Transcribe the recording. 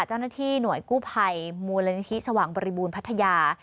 เจ้าหน้าที่หน่วยกู้ภัยมูลนิธิสว่างบริบูรณพัทยา